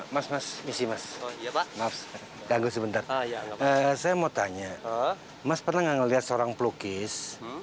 mas mas misi mas oh ya pak maaf ganggu sebentar saya mau tanya mas pernah ngelihat seorang pelukis